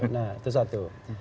nah itu satu